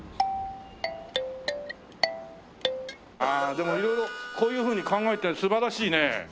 でも色々こういうふうに考えて素晴らしいね。